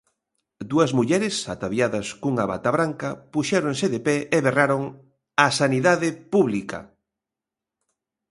Dúas mulleres ataviadas cunha bata branca puxéronse de pé e berraron 'A sanidade, pública!'.